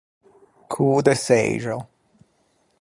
Cô de çeixao.